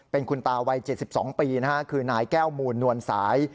เป็นคุณตาวัยเจ็ดสิบสองปีนะฮะคือนายแก้วหมูลนวลสาย